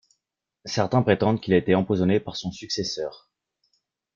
Certains prétendent qu'il a été empoisonné par son successeur.